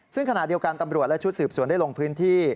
ซึ่งขณะเดียวกันตำรวจและชุดสืบสวนได้ลงพื้นที่